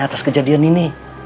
atas kejadian ini